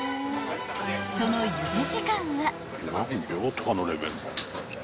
［そのゆで時間は］